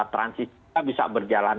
transisi kita bisa berjalan